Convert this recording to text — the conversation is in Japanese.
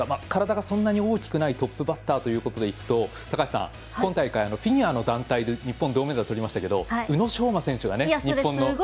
体がそんなに大きくないトップバッターでいうと高橋さん、今大会フィギュアの団体で日本、銅メダルとりましたけど宇野昌磨選手がね、日本の。